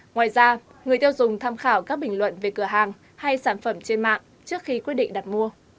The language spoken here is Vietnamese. ngoài ra người tiêu dùng tham khảo các bình luận về cửa hàng hay sản phẩm trên mạng trước khi quyết định đặt mua